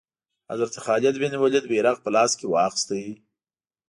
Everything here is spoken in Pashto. حضرت خالد بن ولید بیرغ په لاس کې واخیست.